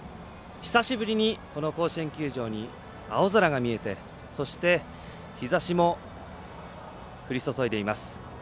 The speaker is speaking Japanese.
久しぶりに、この甲子園球場に青空が見えてそして、日ざしも降り注いでいます。